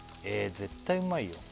絶対うまいよ